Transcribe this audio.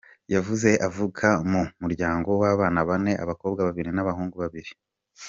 Yavuze avuka mu muryango w’abana bane, abakobwa babiri n’abahungu babiri.